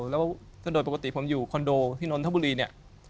แล้วโดยปกติผมอยู่คอนโดที่นนทบุรีเนี่ย